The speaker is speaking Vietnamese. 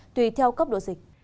tùy theo cấp độ dịch